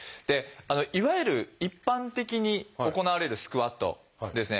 いわゆる一般的に行われるスクワットはですね